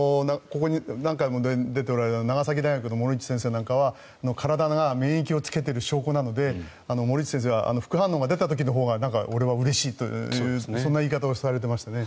ここに何回も出ている長崎大学の森内さんは体が免疫をつけている証拠なので森内先生は副反応が出たほうが俺はうれしいと、そんな言い方をされていましたね。